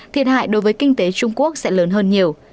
thiệt hại đối với kinh tế trung quốc sẽ lớn hơn nhiều